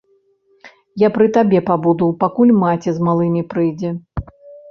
Я пры табе пабуду, пакуль маці з малымі прыйдзе.